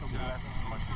jelas masih berlangsung